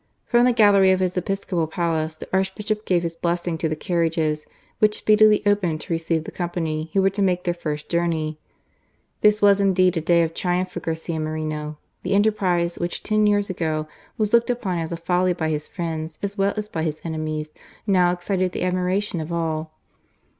From the gallery of his episcop^ palace the Archbishop gave his blessing to the carriages, which speedily opened to receive the company who wece to make their first jouxiuy. This was indeed a day of triomph ka Garcaa Horeno ! The enterprise which, ten years ago, was looked upon as a folly by his friends as well as by his enemies, now excited the admiration of all.